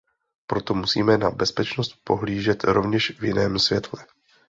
Proto musíme na bezpečnost pohlížet rovněž v jiném světle.